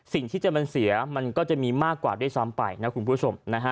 สิ่งที่จะมันเสียมันก็จะมีมากกว่าด้วยซ้ำไปนะคุณผู้ชมนะฮะ